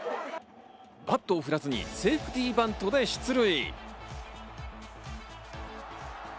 バットを振らずにセーフティーバントで出塁。